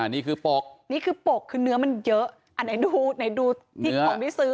นี่คือปกนี่คือปกคือเนื้อมันเยอะอันไหนดูไหนดูที่ของที่ซื้อ